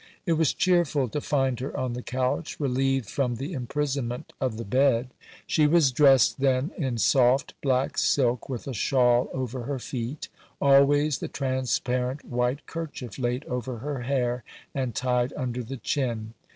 It was cheerful to find her on the couch, relieved from the imprisonment of the bed. She was dressed then in soft black silk with a shawl over her feet; always the transparent white kerchief laid over her hair and tied under the chin.